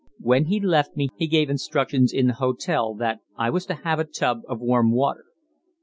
When he left me he gave instructions in the hotel that I was to have a tub of warm water.